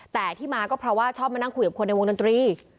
แต่ที่มาก็เพราะว่าชอบมานั่งคุยกับคนในวงดนตรี